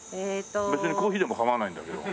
別にコーヒーでも構わないんだけど。